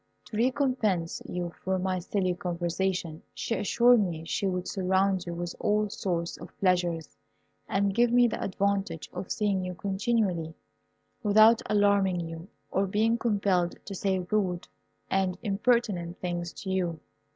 To recompense you for my silly conversation, she assured me she would surround you with all sorts of pleasures, and give me the advantage of seeing you continually, without alarming you, or being compelled to say rude and impertinent things to you.